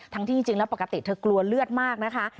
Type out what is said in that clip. ที่จริงแล้วปกติเธอกลัวเลือดมากนะคะ